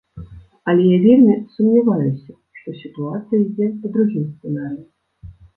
Але я вельмі сумняваюся, што сітуацыя ідзе па другім сцэнарыі.